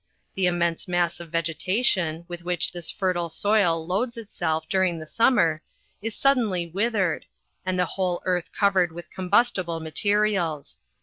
The immense mass of vegetation, with which this fertile soil loads itself during the summer, is suddenly withered, and the whole earth cov ered with combustible materials.